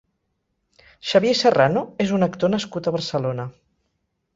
Xavier Serrano és un actor nascut a Barcelona.